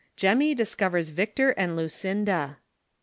JEMMY DISCOVERS VICTOR AND LUCIXDA.